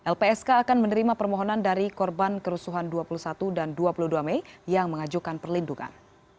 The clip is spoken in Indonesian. lpsk akan menerima permohonan dari korban kerusuhan dua puluh satu dan dua puluh dua mei yang mengajukan perlindungan